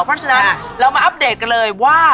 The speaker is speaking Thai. เพราะฉะนั้นเรามาอัปเดตกันเลยว่า